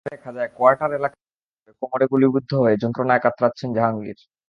পরে দেখা যায়, কোয়ার্টার এলাকার ভেতরে কোমরে গুলিবিদ্ধ হয়ে যন্ত্রণায় কাতরাচ্ছেন জাহাঙ্গীর।